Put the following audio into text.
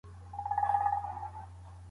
په قلم خط لیکل د انساني اړیکو د دوام سبب ګرځي.